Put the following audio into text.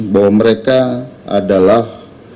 bahwa mereka adalah